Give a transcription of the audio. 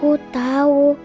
om aku tahu